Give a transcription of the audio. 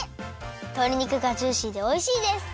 とり肉がジューシーでおいしいです。